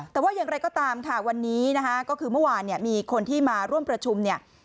แต่ว่าอย่างไรก็ตามค่ะวันนี้นะคะก็คือเมื่อวานเนี่ยมีคนที่มาร่วมประชุมเนี่ย